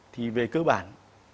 thì về cơ bản